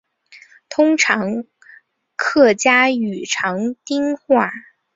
通用客家语长汀话。